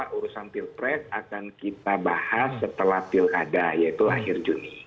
urusan pilpres akan kita bahas setelah pilkada yaitu akhir juni